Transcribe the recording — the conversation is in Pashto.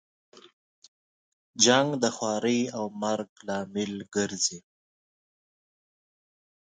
جنګ د خوارۍ او مرګ لامل ګرځي.